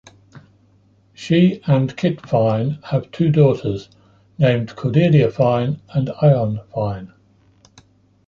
She and Kit Fine have two daughters named Cordelia Fine and Ione Fine.